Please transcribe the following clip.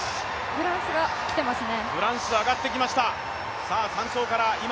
フランスが来てますね。